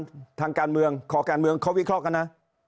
นี่นักวิชาการทางการเมืองขอการเมืองเขาวิเคราะห์กันนะ